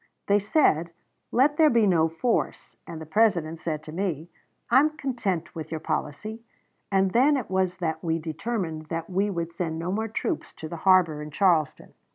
They said, 'Let there be no force'; and the President said to me, 'I am content with your policy'; and then it was that we determined that we would send no more troops to the harbor in Charleston."